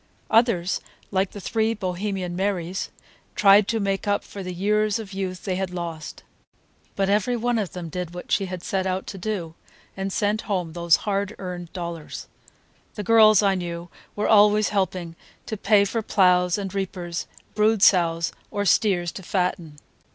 Others, like the three Bohemian Marys, tried to make up for the years of youth they had lost. But every one of them did what she had set out to do, and sent home those hard earned dollars. The girls I knew were always helping to pay for ploughs and reapers, brood sows, or steers to fatten.